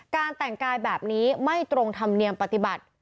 การแต่งกายแบบนี้ไม่ตรงธรรมเนียมปฏิบัติ